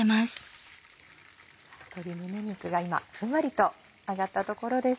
鶏胸肉が今ふんわりと揚がったところです。